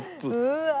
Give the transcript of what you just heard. うわ。